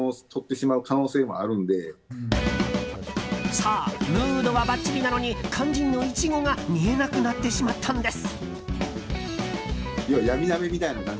そう、ムードはばっちりなのに肝心のイチゴが見えなくなってしまったんです。